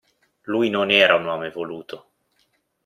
Lui non era un uomo evoluto.